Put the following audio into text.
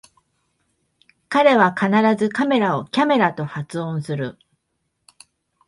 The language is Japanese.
彼は必ずカメラをキャメラと発音する